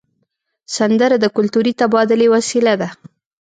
سندره د کلتوري تبادلې وسیله ده